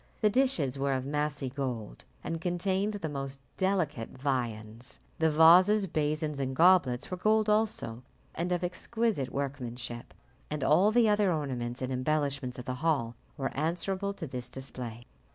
The dishes were of massy gold, and contained the most delicate viands. The vases, basins, and goblets were gold also, and of exquisite workmanship, and all the other ornaments and embellishments of the hall were answerable to this display.